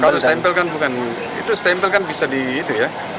kalau stempel kan bukan itu stempel kan bisa di itu ya